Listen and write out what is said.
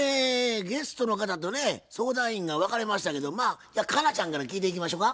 ゲストの方とね相談員が分かれましたけど佳奈ちゃんから聞いていきましょか。